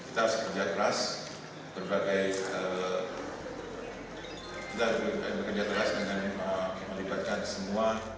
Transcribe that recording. kita harus bekerja keras dengan melibatkan semua